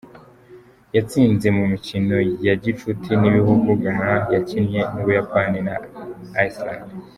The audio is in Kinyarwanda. Yatsinze mu mikino ya gicuti y'ibihugu Ghana yakinnye n'Ubuyapani na Iceland.